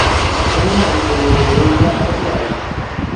Hano hari umuntu wumva arwaye?